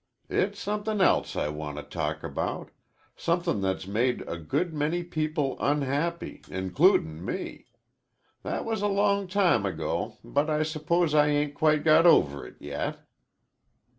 It's somethin' else I want to talk about somethin' that's made a good many people unhappy, includin' me. That was a long time ago, but I s'pose I ain't quite got over it yet."